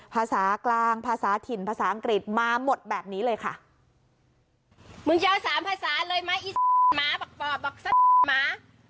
ภาษากลางภาษาถิ่นภาษาอังกฤษมาหมดแบบนี้เลยค่ะ